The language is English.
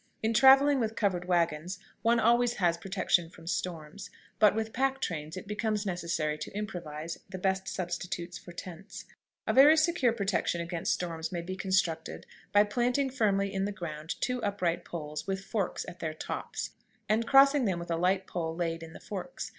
In traveling with covered wagons one always has protection from storms, but with pack trains it becomes necessary to improvise the best substitutes for tents. A very secure protection against storms may be constructed by planting firmly in the ground two upright poles, with forks at their tops, and crossing them with a light pole laid in the forks.